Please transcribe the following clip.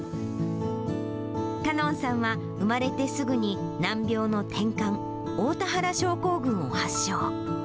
かのんさんは生まれてすぐに難病のてんかん、大田原症候群を発症。